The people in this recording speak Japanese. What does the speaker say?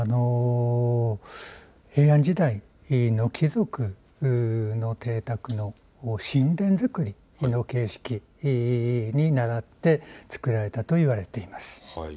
平安時代の貴族の邸宅の寝殿造りの形式にならって造られたといわれています。